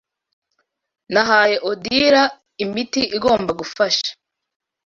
Nahaye Odile imiti igomba gufasha.